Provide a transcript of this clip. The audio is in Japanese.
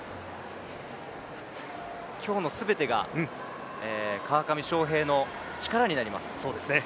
今日の全てが川上翔平の力になります。